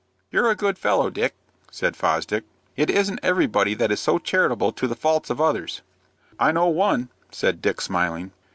"You're a good fellow, Dick," said Fosdick. "It isn't everybody that is so charitable to the faults of others." "I know one," said Dick, smiling.